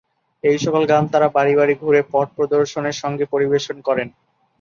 এই সকল গান তাঁরা বাড়ি বাড়ি ঘুরে পট প্রদর্শনের সঙ্গে পরিবেশন করেন।